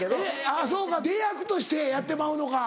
あぁそうか出役としてやってまうのか。